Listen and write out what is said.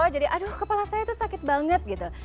jadi aduh kepala saya itu sakit banget gitu